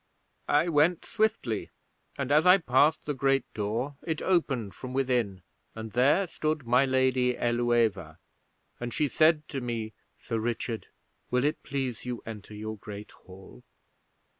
'I went swiftly, and as I passed the great door it opened from within, and there stood my Lady Ælueva, and she said to me: "Sir Richard, will it please you enter your Great Hall?"